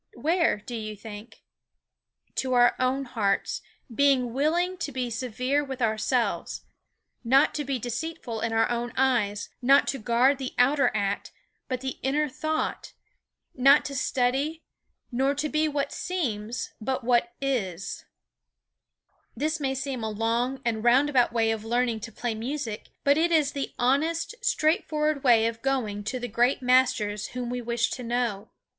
Where, do you think? To our own hearts, being willing to be severe with ourselves; not to be deceitful in our own eyes; not to guard the outer act, but the inner thought; not to study nor to be what seems, but what is. This may seem a long and roundabout way of learning to play music, but it is the honest, straightforward way of going to the great masters whom we wish to know.